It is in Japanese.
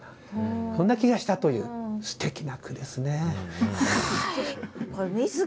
そんな気がしたというすごいですね。